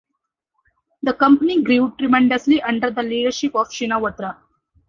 The company grew tremendously under the leadership of Shinawatra.